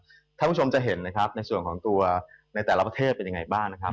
คุณผู้ชมจะเห็นนะครับในส่วนของตัวในแต่ละประเทศเป็นยังไงบ้างนะครับ